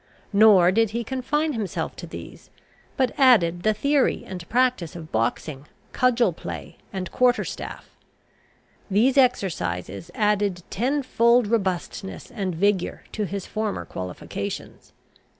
Nor did he confine himself to these, but added the theory and practice of boxing, cudgel play, and quarter staff. These exercises added ten fold robustness and vigour to his former qualifications.